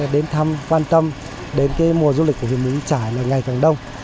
đến thăm quan tâm đến cái mùa du lịch của huyện mù căng trải ngày càng đông